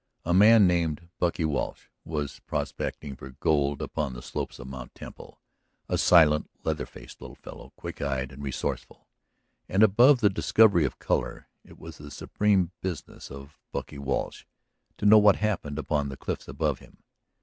A man named Bucky Walsh was prospecting for gold upon the slopes of Mt. Temple, a silent, leather faced little fellow, quick eyed and resourceful. And, above the discovery of color, it was the supreme business of Bucky Walsh to know what happened upon the cliffs above him.